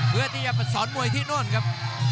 เพื่อที่จะไปสอนมวยที่โน่นครับ